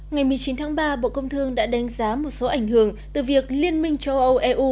ngày một mươi chín tháng ba bộ công thương đã đánh giá một số ảnh hưởng từ việc liên minh châu âu eu